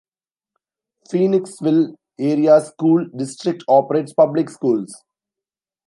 Phoenixville Area School District operates public schools.